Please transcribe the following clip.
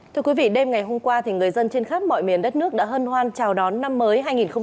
thưa quý vị đêm ngày hôm qua người dân trên khắp mọi miền đất nước đã hân hoan chào đón năm mới hai nghìn hai mươi